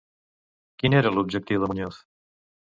Quin era l'objectiu de Muñoz?